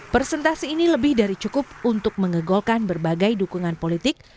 presentasi ini lebih dari cukup untuk mengegolkan berbagai dukungan politik